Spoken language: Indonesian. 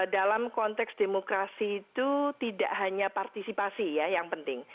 dalam konteks demokrasi itu tidak hanya partisipasi ya yang penting